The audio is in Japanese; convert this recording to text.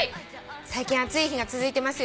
「最近暑い日が続いてますよね」